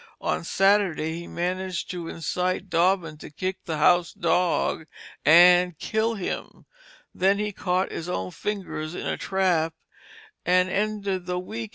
On Saturday he managed to incite Dobbin to kick the house dog and kill him; then he caught his own fingers in a trap, and ended the week in bed as he began it.